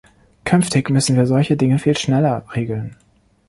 Künftig müssen wir solche Dinge viel schneller regeln.